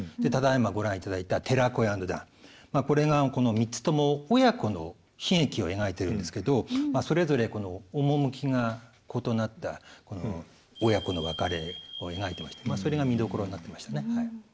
ただいまご覧いただいた「寺子屋の段」これがこの３つとも親子の悲劇を描いてるんですけどそれぞれ趣が異なった親子の別れを描いてましてそれが見どころになってましたね。